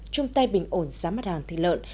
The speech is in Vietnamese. chung tay bình ổn giá mặt hàng thịt lợn